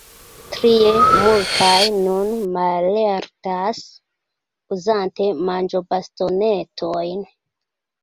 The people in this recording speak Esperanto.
Trie, multaj nun mallertas, uzante manĝobastonetojn.